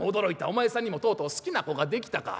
お前さんにもとうとう好きな子ができたか。